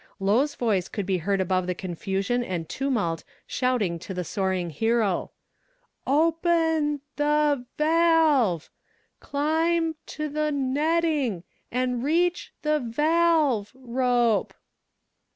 Lowe's voice could be heard above the confusion and tumult shouting to the soaring hero "Open the valve! Climb to the netting and reach the valve rope!"